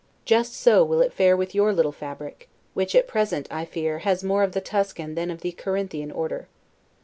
Just so will it fare with your little fabric, which, at present, I fear, has more of the Tuscan than of the Corinthian order.